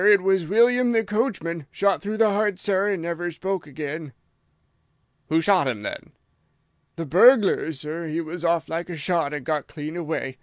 It was William the coachman. Shot through the heart, sir, and never spoke again." "Who shot him, then?" "The burglar, sir. He was off like a shot and got clean away.